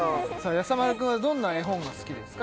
やさ丸くんはどんな絵本が好きですか？